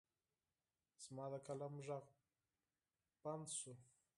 زما د قلم غږ بند شو.